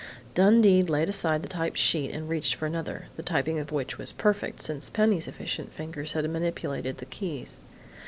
Dundee laid aside the typed sheet and reached for another, the typing of which was perfect, since Penny's efficient fingers had manipulated the keys.